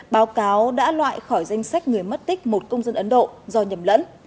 báo cáo đã loại khỏi danh sách người mất tích một công dân ấn độ do nhầm lẫn